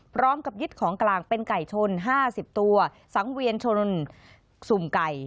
พร้อมกับยึดของกลางเป็นไก่ชน๕๐ตัวสังเวียนชนสุ่มไก่